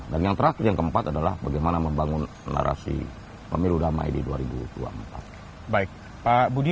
dan yang terakhir yang keempat adalah bagaimana membangun narasi pemilu damai di dua ribu dua puluh empat baik pak budi